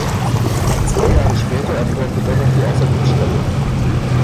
Zwei Jahre später erfolgte dennoch die Außerdienststellung.